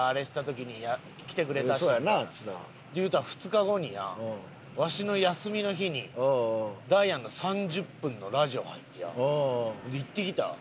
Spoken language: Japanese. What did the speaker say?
言うたら２日後になわしの休みの日にダイアンの３０分のラジオ入って行ってきた。